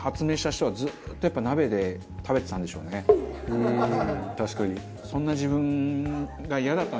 うん確かに。